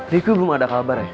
riku belum ada kabar ya